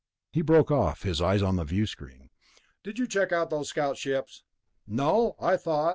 He broke off, his eyes on the viewscreen. "Did you check those scout ships?" "No, I thought...."